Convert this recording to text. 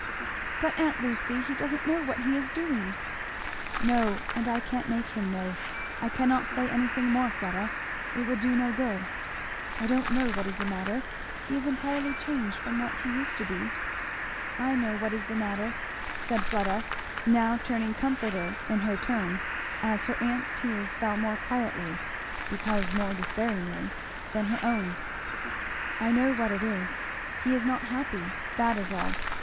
"But, aunt Lucy, he doesn't know what he is doing!" "No and I can't make him know. I cannot say anything more, Fleda it would do no good. I don't know what is the matter he is entirely changed from what he used to be " "I know what is the matter," said Fleda, now turning comforter in her turn as her aunt's tears fell more quietly, because more despairingly, than her own, "I know what it is he is not happy; that is all.